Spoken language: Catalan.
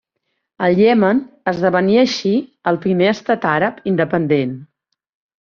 El Iemen esdevenia així el primer estat àrab independent.